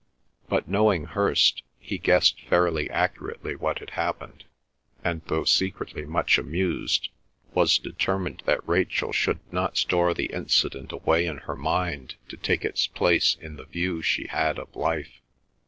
But, knowing Hirst, he guessed fairly accurately what had happened, and, though secretly much amused, was determined that Rachel should not store the incident away in her mind to take its place in the view she had of life.